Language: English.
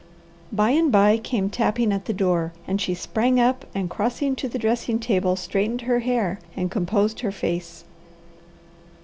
By and by came tapping at the door, and she sprang up and crossing to the dressing table straightened her hair and composed her face.